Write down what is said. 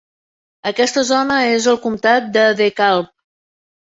Aquesta zona és al comtat de DeKalb.